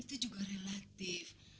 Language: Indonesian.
itu juga relatif